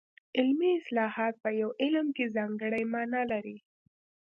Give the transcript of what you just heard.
علمي اصطلاحات په یو علم کې ځانګړې مانا لري